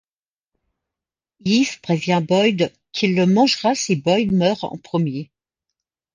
Ives prévient Boyd qu'il le mangera si Boyd meurt en premier.